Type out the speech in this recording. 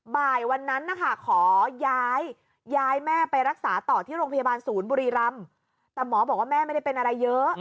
บ่ายวันนั้นนะคะขอย้ายย้ายแม่ไปรักษาต่อที่โรงพยาบาลศูนย์